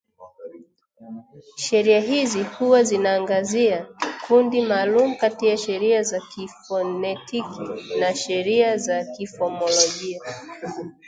Sheria hizi huwa zinaangazia kundi maalum kati ya sheria za kifonetiki na sheria za kimofolojia